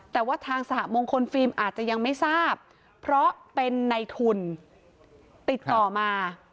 แต่ว่าทางสหมงคลฟิล์มอาจจะยังไม่ทราบเพราะเป็นในทุนติดต่อมา